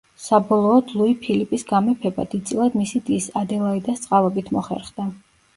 საბოლოოდ ლუი ფილიპის გამეფება, დიდწილად მისი დის, ადელაიდას წყალობით მოხერხდა.